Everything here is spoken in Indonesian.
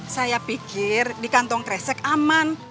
saya pikir di kantong kresek aman